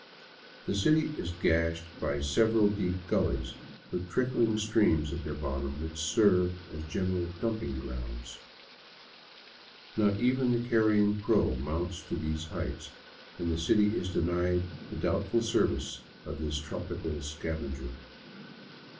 The city is gashed by several deep gullies with trickhng streams at their bottoms, which serve as general dumping grounds. Not even the carrion crow mounts to these heights, and the city is denied the doubtful services of this tropical scavenger.